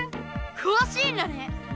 くわしいんだね！